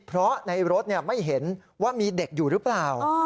เพราะในรถไม่เห็นว่ามีเด็กอยู่หรือเปล่า